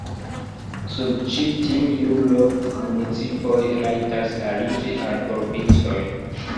Sub ĉi tiu juro, municipoj rajtas aliĝi al provincoj.